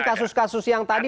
kasus kasus yang tadi